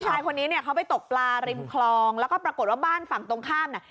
ชายคนนี้เนี่ยเขาไปตกปลาริมคลองแล้วก็ปรากฏว่าบ้านฝั่งตรงข้ามเนี่ย